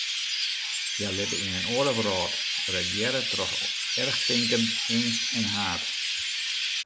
Hja libbe yn in oare wrâld, regearre troch erchtinken, eangst en haat.